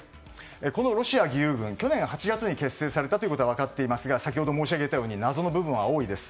このロシア義勇軍去年８月に結成されたことが分かっていますが先ほど申し上げたように謎の部分は多いです。